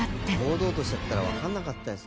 堂々としちゃったらわかんなかったり。